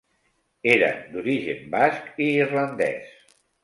Era d'origen basc i irlandès.